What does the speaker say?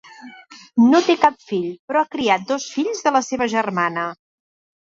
No té cap fill, però ha criat dos fills de la seva germana.